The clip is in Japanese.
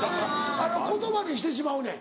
言葉にしてしまうねん。